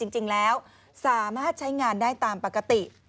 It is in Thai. จริงแล้วสามารถใช้งานได้ตามปกติ